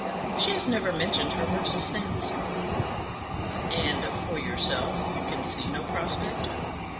She has never mentioned her verses since." "And for yourself, you can see no prospect?"